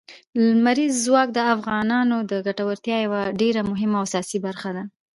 لمریز ځواک د افغانانو د ګټورتیا یوه ډېره مهمه او اساسي برخه ده.